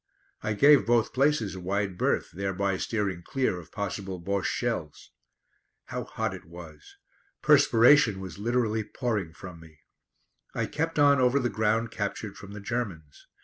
I gave both places a wide berth, thereby steering clear of possible Bosche shells. How hot it was. Perspiration was literally pouring from me. I kept on over the ground captured from the Germans.